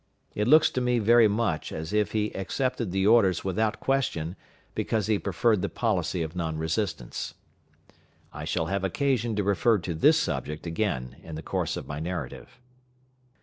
It looks to me very much as if he accepted the orders without question because he preferred the policy of non resistance. I shall have occasion to refer to this subject again in the course of my narrative.